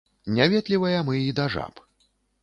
Няветлівыя мы і да жаб.